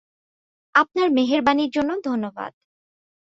আপনার মেহেরবানির জন্য ধন্যবাদ।